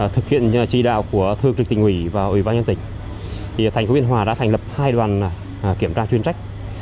thực hiện trì đạo của thương trực tỉnh ủy và ủy ban nhân tỉnh thành phố biên hòa đã thành lập hai đoàn kiểm tra chuyên trách